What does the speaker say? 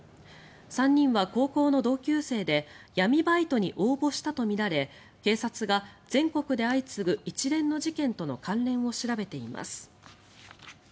３人は高校の同級生で闇バイトに応募したとみられ警察が全国で相次ぐ一連の事件との関連を調べています。